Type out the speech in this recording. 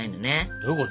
どういうこと？